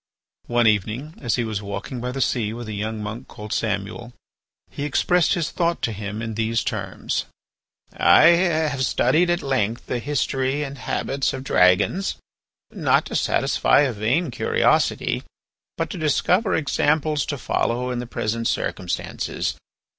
One evening as he was walking by the sea with a young monk called Samuel, he expressed his thought to him in these terms: "I have studied at length the history and habits of dragons, not to satisfy a vain curiosity, but to discover examples to follow in the present circumstances.